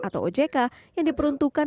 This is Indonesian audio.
atau ojk yang diperuntukkan